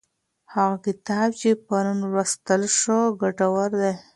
هغه کتاب چې پرون ولوستل شو ګټور و.